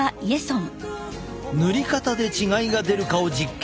塗り方で違いが出るかを実験。